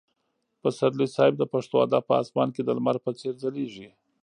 پسرلي صاحب د پښتو ادب په اسمان کې د لمر په څېر ځلېږي.